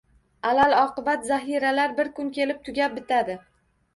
Alal-oqibat zaxiralar bir kun kelib tugab bitadi